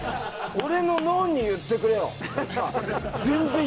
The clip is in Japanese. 俺の脳に言ってくれよ。